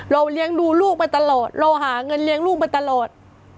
เลี้ยงดูลูกมาตลอดเราหาเงินเลี้ยงลูกมาตลอด